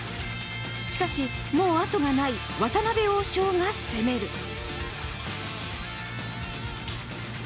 しかし、もう後がない渡辺王将が攻める。